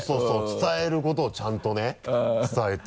伝えることをちゃんとね伝えて。